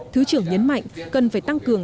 thứ trưởng nhấn mạnh cần phải tăng cường